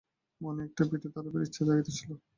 মনে একটা বিড়ি ধরাইবার ইচ্ছা জাগিতেছিল।